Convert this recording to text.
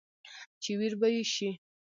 چې وېر به يې شي ،